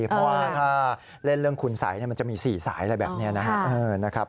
เพราะว่าถ้าเล่นเรื่องคุณสัยมันจะมี๔สายอะไรแบบนี้นะครับ